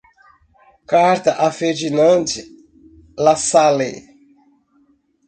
Carta a Ferdinand Lassalle